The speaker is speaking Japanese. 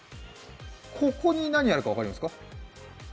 ここに何があるか分かりますか？